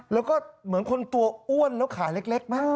แล้วก็เหมือนคนตัวอ้วนแล้วขาเล็กมาก